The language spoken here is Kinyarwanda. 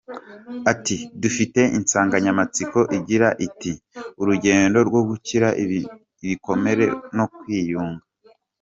Ati “Dufite insanganyamatsiko igira iti ‘urugendo rwo gukira ibikomere no kwiyunga’.